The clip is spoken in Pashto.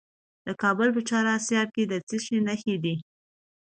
د کابل په چهار اسیاب کې د څه شي نښې دي؟